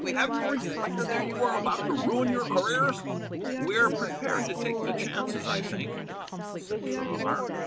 Have you reflected that you are about to ruin your careers?" "We are prepared to take the chances, I think," said Farrar. Mr.